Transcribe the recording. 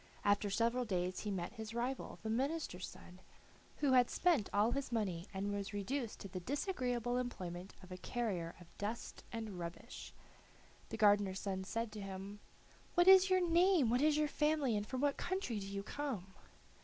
After several days he met his rival, the minister's son, who had spent all his money and was reduced to the disagreeable employment of a carrier of dust and rubbish. The gardener's son said to him: "What is your name, what is your family, and from what country do you come?"